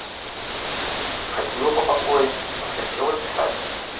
Хадзіла па пакоі, пасля села пісаць.